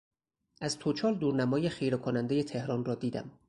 از توچال دورنمای خیره کنندهی تهران را دیدم.